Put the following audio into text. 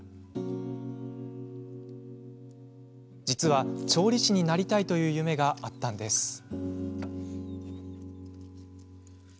実は、調理師になりたいという夢があったのです。